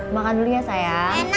makan dulu ya sayang